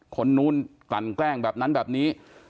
คนนู้นกลั่นแกล้งแบบนั้นแบบนี้